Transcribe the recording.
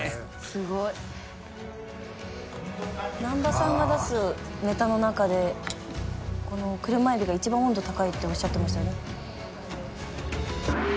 ・すごい・難波さんが出すネタの中でこの車海老が一番温度高いっておっしゃってましたよね。